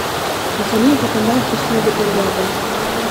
Масалиев Атамбаев көрсөтмө берген деп атат.